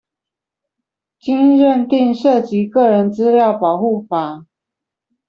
經認定涉及個人資料保護法